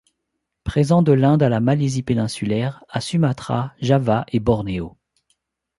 Présent de l'Inde à la Malaisie péninsulaire, à Sumatra, Java et Bornéo.